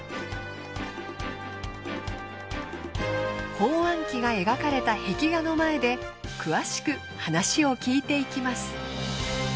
包あん機が描かれた壁画の前で詳しく話を聞いていきます。